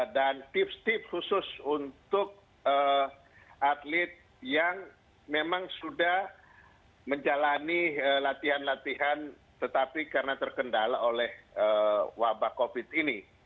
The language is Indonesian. dan tips tips khusus untuk atlet yang memang sudah menjalani latihan latihan tetapi karena terkendala oleh wabah covid ini